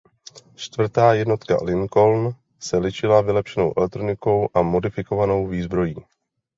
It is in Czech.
Čtvrtá jednotka "Lincoln" se lišila vylepšenou elektronikou a modifikovanou výzbrojí.